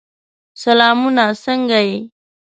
سلامونه! څنګه یې؟